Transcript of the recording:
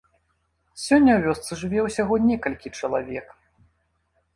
Сёння ў вёсцы жыве ўсяго некалькі чалавек.